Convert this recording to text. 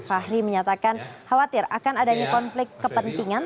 fahri menyatakan khawatir akan adanya konflik kepentingan